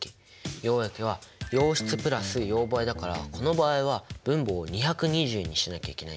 溶液は溶質＋溶媒だからこの場合は分母を２２０にしなきゃいけないんだよね。